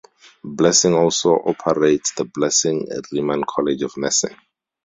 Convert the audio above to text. Blessing also operates the Blessing Rieman College of Nursing.